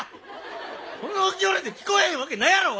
この距離で聞こえへんわけないやろ！